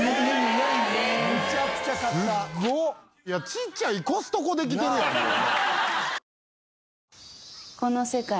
ちっちゃいコストコできてるやんもう。